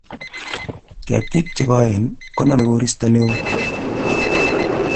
Ketik chegoen koname koristo neoo